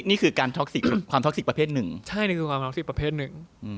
นี่คือการท็อกซิกความท็อกซิกประเภทหนึ่ง